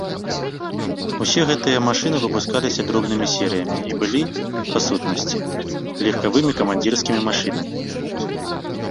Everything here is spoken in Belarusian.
Усе гэтыя машыны выпускаліся дробнымі серыямі і былі, па сутнасці, легкавымі камандзірскімі машынамі.